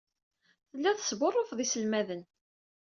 Tellid tesbuṛṛufed iselmaden.